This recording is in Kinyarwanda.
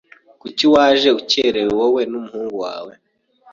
Kuki waje ukererewe wowe n’umuhungu wawe?